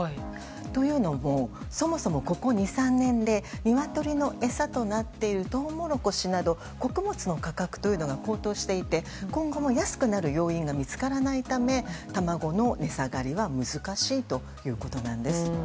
というのも、そもそもここ２３年でニワトリの餌となっているトウモロコシなど穀物の価格というのが高騰していて今後も安くなる要因が見つからないため卵の値下がりは難しいということなんです。